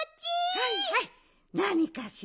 はいはいなにかしら？